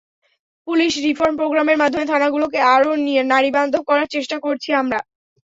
Police reform প্রোগ্রামের মাধ্যমে থানাগুলোকে আরও নারীবান্ধব করার চেষ্টা করছি আমরা।